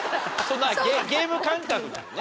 ゲーム感覚なのね。